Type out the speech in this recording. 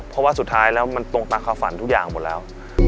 เพราะว่าสุดท้ายแล้วมันตรงตามความฝันทุกอย่างหมดแล้ว